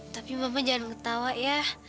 tapi bapak jangan ketawa ya